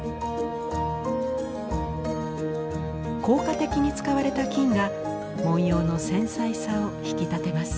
効果的に使われた金が文様の繊細さを引き立てます。